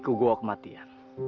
pergi ke guaokmatian